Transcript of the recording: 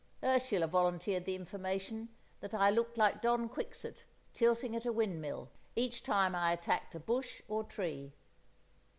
Ursula volunteered the information that I looked like Don Quixote tilting at a windmill, each time I attacked a bush or tree.